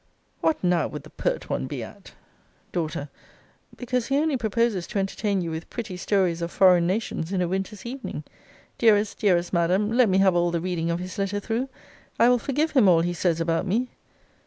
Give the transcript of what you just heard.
What now would the pert one be at? D. Because he only proposes to entertain you with pretty stories of foreign nations in a winter's evening. Dearest, dearest Madam, let me have all the reading of his letter through. I will forgive him all he says about me.